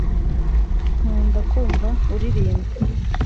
nkunda kumva uririmba